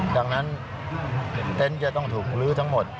ดังนั้นเต็นต์จะต้องถูกลื้อทั้งหมด